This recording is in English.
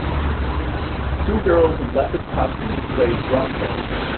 Two girls in leopard costumes play drum pads.